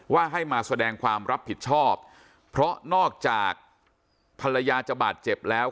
ให้มาแสดงความรับผิดชอบเพราะนอกจากภรรยาจะบาดเจ็บแล้ว